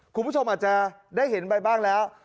คุณผู้ชมอาจจะได้เห็นไปบ้างแล้ว